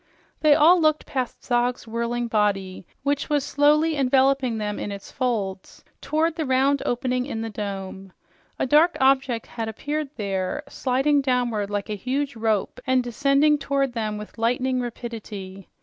They all looked past Zog's whirling body, which was slowly enveloping them in its folds, toward the round opening in the dome. A dark object had appeared there, sliding downward like a huge rope and descending toward them with lightning rapidly.